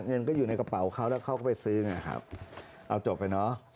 เงินก็อยู่ในกระเป๋าเขาแล้วเขาก็ไปซื้อไงครับเอาจบไปเนอะ